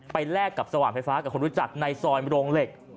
แลกกับสว่างไฟฟ้ากับคนรู้จักในซอยโรงเหล็ก